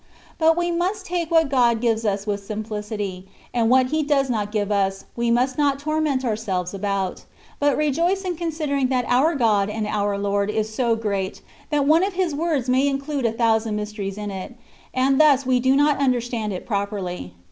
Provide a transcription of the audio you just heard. But we must take what Grod gives us with simplicity ; and what He does not give us, we must not torment ourselves about, but rejoice in considering that our God and our Lord is so great, that one of His words may include a thousand mysteries in it, and thus we do not understand it properly.